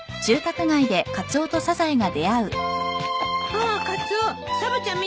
ああカツオサブちゃん見なかった？